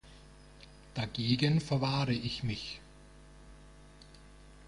Dagegen verwahre ich mich.